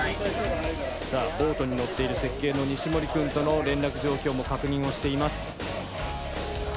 さあボートに乗っている設計の西森くんとの連絡状況も確認をしています。